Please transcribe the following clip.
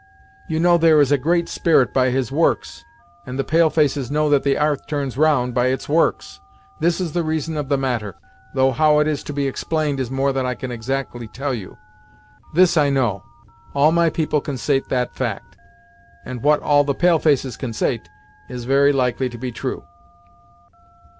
You know there is a Great Spirit by his works, and the pale faces know that the 'arth turns round by its works. This is the reason of the matter, though how it is to be explained is more than I can exactly tell you. This I know; all my people consait that fact, and what all the pale faces consait, is very likely to be true."